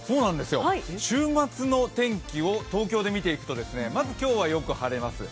週末の天気を東京で見ていくと、まず今日はよく晴れます。